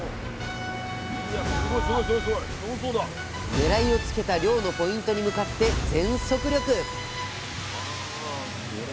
狙いをつけた漁のポイントに向かって全速力！